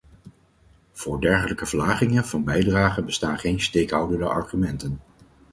Voor dergelijke verlagingen van bijdragen bestaan geen steekhoudende argumenten.